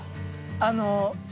あの。